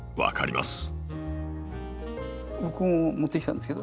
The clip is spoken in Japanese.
僕も持ってきたんですけど。